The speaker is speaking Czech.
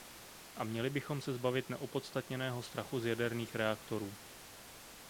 A měli bychom se zbavit neopodstatněného strachu z jaderných reaktorů.